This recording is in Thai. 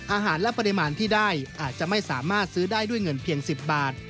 อาหารและปริมาณที่ได้อาจจะไม่สามารถซื้อได้ด้วยเงินเพียง๑๐บาท